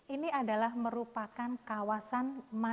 ini adalah merupakan kawasan mandala matika subak